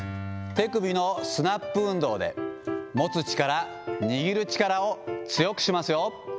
手首のスナップ運動で、持つ力、握る力を強くしますよ。